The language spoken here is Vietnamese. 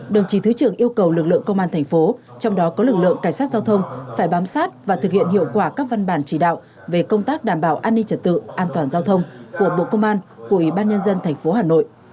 đồng chí thứ trưởng yêu cầu lực lượng công an thành phố trong đó có lực lượng cảnh sát giao thông phải bám sát và thực hiện hiệu quả các văn bản chỉ đạo về công tác đảm bảo an ninh trật tự an toàn giao thông của bộ công an của ủy ban nhân dân tp hà nội